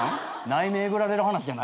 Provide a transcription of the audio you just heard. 内面えぐられる話じゃないやろ。